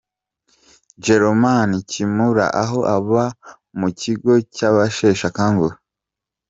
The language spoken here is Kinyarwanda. Jiroeman Kimura aho aba mu kigo cy'abashesha akanguhe.